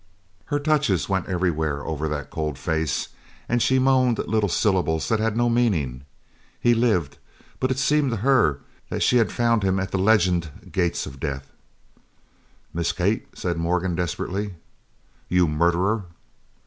Her touches went everywhere over that cold face, and she moaned little syllables that had no meaning. He lived, but it seemed to her that she had found him at the legended gates of death. "Miss Kate!" said Morgan desperately. "You murderer!"